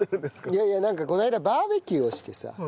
いやいやなんかこの間バーベキューをしてさ。